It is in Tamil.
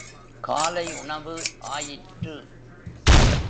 காலை உணவு ஆயிற்று.